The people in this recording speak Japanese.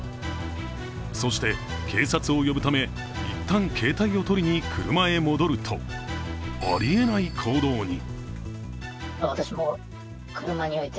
そして、警察を呼ぶため、いったん携帯を取りに車へ戻るとありえない行動に。